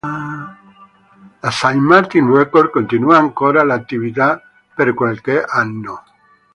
La Saint Martin Record continua ancora l'attività per qualche anno.